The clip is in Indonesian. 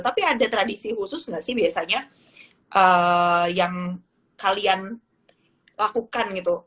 tapi ada tradisi khusus nggak sih biasanya yang kalian lakukan gitu